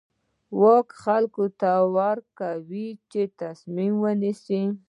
واک خلکو ته ورکوي چې تصمیم ونیسي.